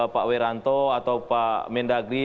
pak wiranto atau pak mendagri